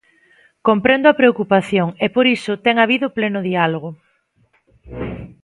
Comprendo a preocupación e por iso, ten habido pleno diálogo.